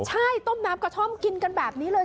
ใช่ต้มน้ำกระท่อมกินกันแบบนี้เลย